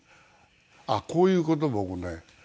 あっこういう事僕ね。